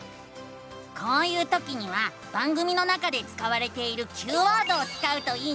こういうときには番組の中で使われているＱワードを使うといいのさ！